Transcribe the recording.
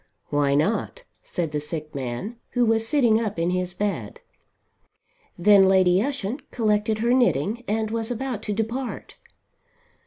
"Why not?" said the sick man, who was sitting up in his bed. Then Lady Ushant collected her knitting and was about to depart.